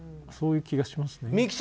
そういう気がしますね。